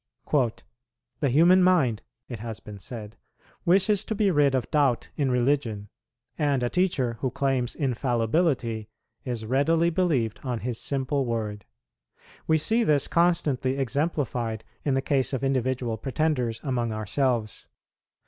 "The human mind," it has been said, "wishes to be rid of doubt in religion; and a teacher who claims infallibility is readily believed on his simple word. We see this constantly exemplified in the case of individual pretenders among ourselves.